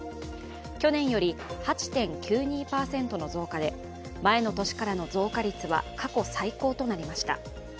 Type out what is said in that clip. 去年より８．９２％の増加で前の年からの増加率は過去最高となりました。